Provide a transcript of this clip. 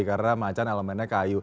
karena macan elemennya kayu